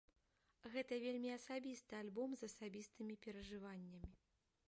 Гэта вельмі асабісты альбом з асабістымі перажываннямі.